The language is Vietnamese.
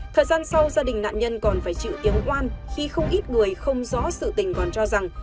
thời gian sau gia đình nạn nhân còn phải chịu tiếng oan khi không ít người không rõ sự tình còn cho rằng